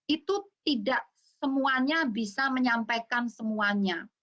itu tidak semuanya bisa menyampaikan semuanya